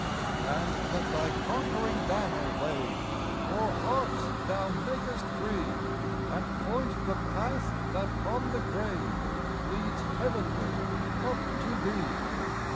71 And let Thy conquering banner wave O'er hearts Thou makest free, And point the path that from the grave Leads heavenward up to Thee.